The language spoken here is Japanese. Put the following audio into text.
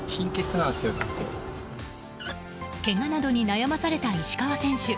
けがなどに悩まされた石川選手。